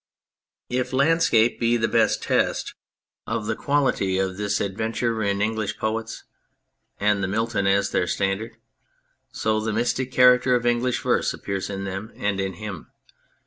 If Landscape be the best test of this quality of 145 L On Anything adventure in English poets and the Milton as their standard, so the mystic character of English verse appears in them and in him.